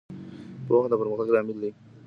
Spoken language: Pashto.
پوهه د پرمختګ لامل ده.